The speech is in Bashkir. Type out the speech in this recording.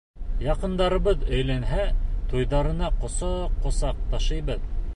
Яҡындарыбыҙ өйләнһә, туйҙарына ҡосаҡ-ҡосаҡ ташыйбыҙ.